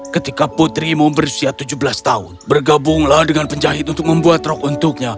ketika putrimu berusia tujuh belas tahun bergabunglah dengan penjahit untuk membuat rok untuknya